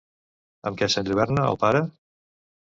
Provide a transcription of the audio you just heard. Amb què s'enlluerna el pare?